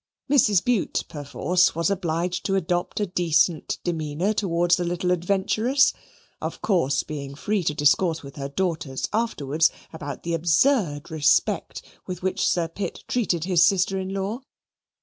Mrs. Bute, perforce, was obliged to adopt a decent demeanour towards the little adventuress of course being free to discourse with her daughters afterwards about the absurd respect with which Sir Pitt treated his sister in law.